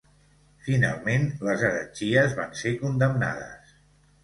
Finalment les heretgies van ser condemnades.